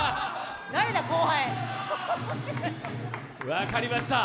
分かりました。